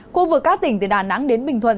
khu vực các tỉnh từ đà nẵng đến bình thuận